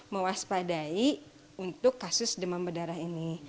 mewaspadai untuk kasus demam berdarah ini